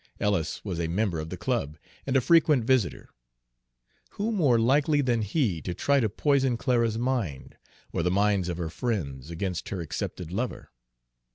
Ellis was a member of the club, and a frequent visitor. Who more likely than he to try to poison Clara's mind, or the minds of her friends, against her accepted lover?